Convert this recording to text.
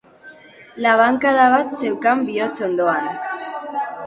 Labankada bat zeukan bihotz alboan.